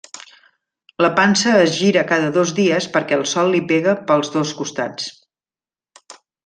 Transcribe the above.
La pansa es gira cada dos dies perquè el sol li pegue pels dos costats.